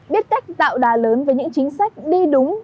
biết cách tạo đà lớn với những chính sách đi đúng